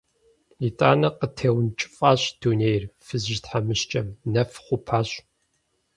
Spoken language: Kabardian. ИтӀанэ къытеункӀыфӀащ дунейр фызыжь тхьэмыщкӏэм, нэф хъупащ…